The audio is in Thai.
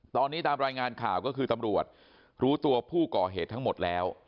ตอนนี้ตามรายงานข่าวก็คือตำรวจรู้ตัวผู้ก่อเหตุทั้งหมดแล้ว